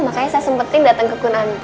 makanya saya sempetin datang ke kunanti